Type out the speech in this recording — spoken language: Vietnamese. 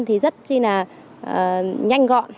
thì rất là nhanh gọn